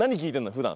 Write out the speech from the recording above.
ふだん。